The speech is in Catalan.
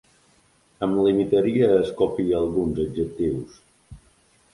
Em limitaria a escopir alguns adjectius.